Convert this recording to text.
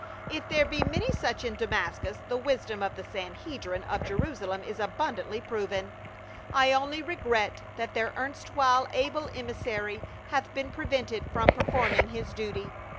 If there be many such in Damascus, the wisdom of the Sanhedrim of Jerusalem is abundantly proven. I only regret that their erstw'hile able emissary hath been prevented from performing his duty.